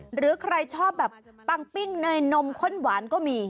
หรือใครชอบแบบปังปิ้งเนยนมข้นหวานก็มี